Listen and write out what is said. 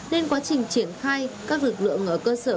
nên quá trình triển khai các lực lượng ở cơ sở